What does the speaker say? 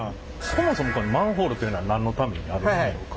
そもそもマンホールっていうのは何のためにあるんでしょうか？